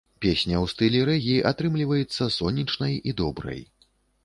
Песня ў стылі рэгі, атрымліваецца сонечнай і добрай.